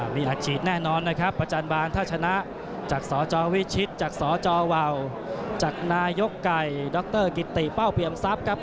มีอัดฉีดแน่นอนนะครับประจันบานถ้าชนะจากสจวิชิตจากสจวาวจากนายกไก่ดรกิติเป้าเปรียมทรัพย์ครับ